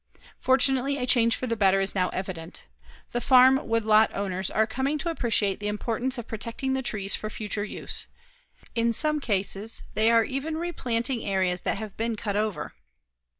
Fortunately, a change for the better is now evident. The farm woodlot owners are coming to appreciate the importance of protecting the trees for future use. In some cases, they are even replanting areas that have been cut over.